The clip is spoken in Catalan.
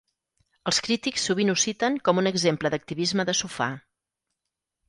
Els crítics sovint ho citen com un exemple d'activisme de sofà.